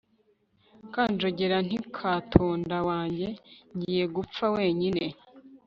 kanjogera nti katonda wange, ngiye gupfa wenyine